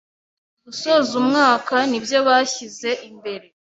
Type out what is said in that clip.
gusoza umwaka nibyo bashyize imbere